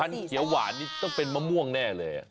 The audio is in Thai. พรรณเขียวหวานต้องเป็นมะม่วงแนน่เลย